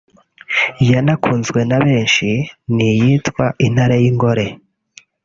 yanakunzwe na benshi ni iyitwa ‘Intare y’ingore’